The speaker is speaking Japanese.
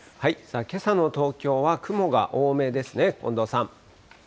けさの東京は雲が多めですね、近藤さん。